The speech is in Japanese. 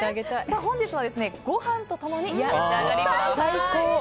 本日はご飯と共にお召し上がりください。